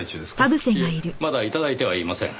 いえまだ頂いてはいません。